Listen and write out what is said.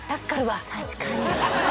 確かに。